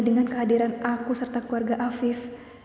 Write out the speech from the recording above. dengan kehadiran aku serta keluarga afif